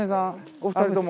お二人とも？